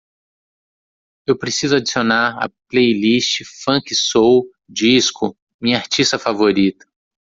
Eu preciso adicionar à playlist funk soul disco minha artista favorita